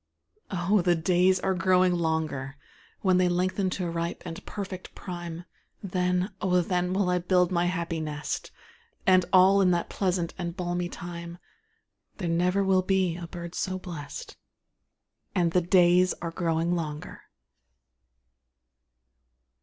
Oh, the days are growing longer; When they lengthen to ripe and perfect prime, Then, oh, then, I will build my happy nest; And all in that pleasant and balmy time, There never will be a bird so blest; And the days are growing longer.